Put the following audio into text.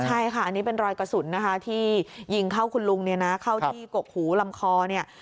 ใช่ค่ะอันนี้เป็นรอยกระสุนนะคะที่ยิงเข้าคุณลุงเนี่ยนะเข้าที่กกหูลำคอเนี่ย